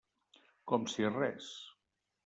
Com si res.